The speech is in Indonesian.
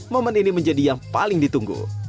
momen ini menjadi yang paling ditunggu